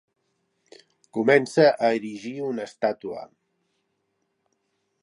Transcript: Comença a erigir una estàtua.